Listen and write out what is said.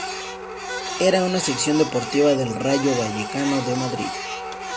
Era una sección deportiva del Rayo Vallecano de Madrid.